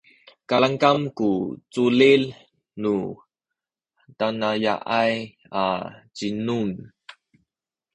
kalamkam ku culil nu tanaya’ay a zinum